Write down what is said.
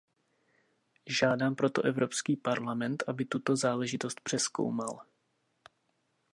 Žádám proto Evropský parlament, aby tuto záležitost přezkoumal.